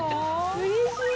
うれしい！